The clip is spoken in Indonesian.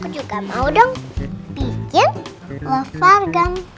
aku juga mau dong bikin lovagram